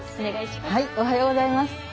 おはようございます。